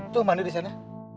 tuh mana di sana